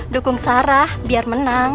dukung sara biar menang